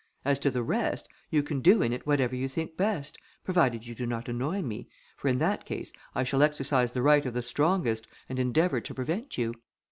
As to the rest, you can do in it whatever you think best, provided you do not annoy me, for in that case, I shall exercise the right of the strongest, and endeavour to prevent you.